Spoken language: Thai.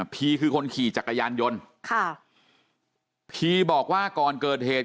พีคือคนขี่จักรยานยนต์ค่ะพีบอกว่าก่อนเกิดเหตุ